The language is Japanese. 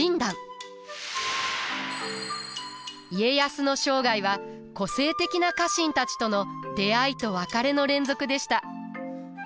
家康の生涯は個性的な家臣たちとの出会いと別れの連続でした。